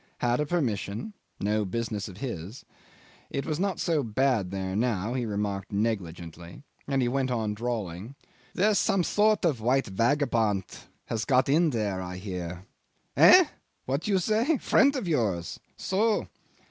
Had a permission? No business of his. It was not so bad there now, he remarked negligently, and, he went on drawling, "There's some sort of white vagabond has got in there, I hear. ... Eh? What you say? Friend of yours? So!